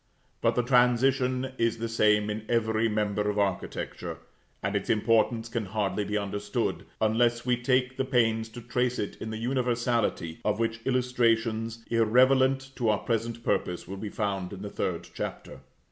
But the transition is the same in every member of architecture; and its importance can hardly be understood, unless we take the pains to trace it in the universality, of which illustrations, irrelevant to our present purpose, will be found in the third Chapter.